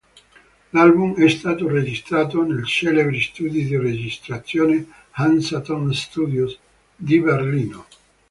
L'album è stato registrato nei celebri studi di registrazione Hansa Ton Studios di Berlino.